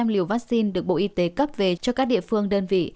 một mươi tám hai trăm linh liều vaccine được bộ y tế cấp về cho các địa phương đơn vị